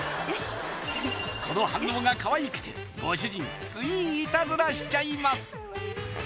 この反応がかわいくてご主人ついイタズラしちゃいます